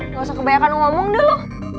gak usah kebanyakan ngomong dah lo